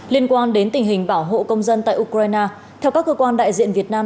liên quan đến tình hình bảo hộ công dân tại ukraine theo các cơ quan đại diện việt nam